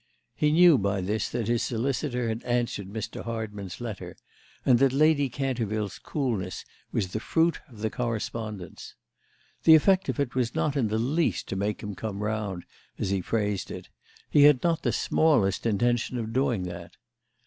He knew by this that his solicitor had answered Mr. Hardman's letter and that Lady Canterville's coolness was the fruit of the correspondence. The effect of it was not in the least to make him come round, as he phrased it; he had not the smallest intention of doing that.